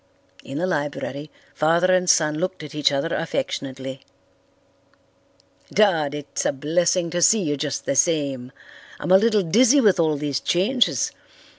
In the library father and son looked at each other affectionately. "Dad, it's a blessing to see you just the same. I'm a little dizzy with all these changes.